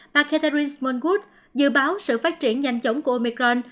mark hetherin smallwood dự báo sự phát triển nhanh chóng của omicron